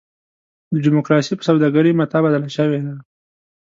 ډیموکراسي په سوداګرۍ متاع بدله شوې ده.